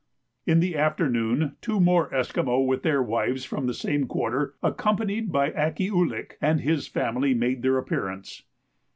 In the afternoon two more Esquimaux with their wives from the same quarter, accompanied by Akkee ou lik and his family, made their appearance.